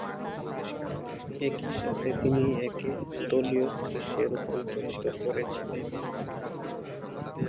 একই সাথে তিনি একে দলীয় দৃশ্যে রূপান্তরিত করেছিলেন।